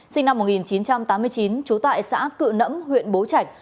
sinh năm một nghìn chín trăm tám mươi chín trú tại xã cự nẫm huyện bố trạch